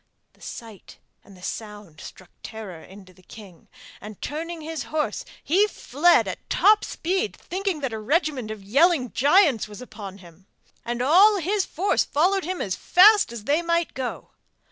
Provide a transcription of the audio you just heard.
The sight and the sound struck terror into the king, and, turning his horse, he fled at top speed, thinking that a regiment of yelling giants was upon him; and all his force followed him as fast as they might go.